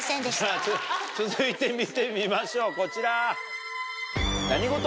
続いて見てみましょうこちら。